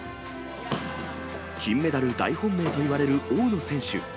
金メダル大本命といわれる大野選手。